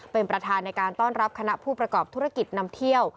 เป็นประธานในการต้อนรับคณะผู้ประกอบธุรกิจนำเที่ยว